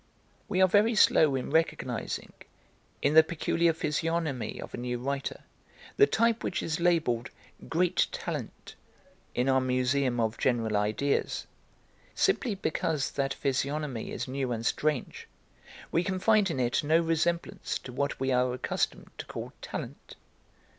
We are very slow in recognising in the peculiar physiognomy of a new writer the type which is labelled 'great talent' in our museum of general ideas. Simply because that physiognomy is new and strange, we can find in it no resemblance to what we are accustomed to call talent.